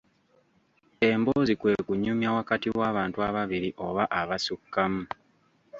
Emboozi kwe kunyumya wakati w'abantu ababiri oba abasukkamu.